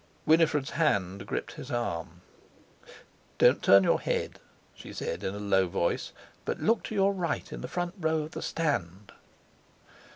Winifred's hand gripped his arm. "Don't turn your head," she said in a low voice, "but look to your right in the front row of the Stand."